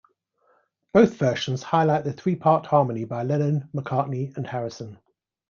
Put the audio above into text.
Both versions highlight the three-part harmony by Lennon, McCartney and Harrison.